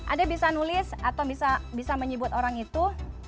anda bisa nulis atau bisa menyebut orang itu